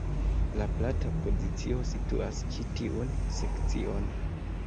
La plata pozicio situas ĉi tiun sekcion.